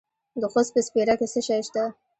د خوست په سپیره کې څه شی شته؟